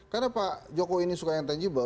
karena pak jokowi ini suka yang tangible